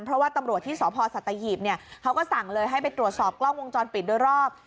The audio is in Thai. เพราะว่าตำรวจที่สพสัตหีบเนี่ยเขาก็สั่งเลยให้ไปตรวจสอบกล้องวงจรปิดโดยรอบ